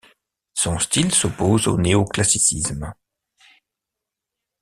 Son style s'oppose au néoclassicisme.